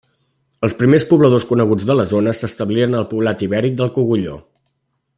Els primers pobladors coneguts de la zona s'establiren al poblat ibèric del Cogulló.